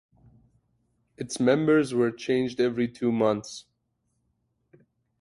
Its members were changed every two months.